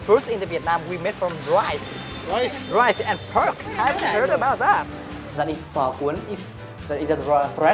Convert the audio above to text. vì chủ đề hiện tại hà nội và chỉ có nhiều người còn biết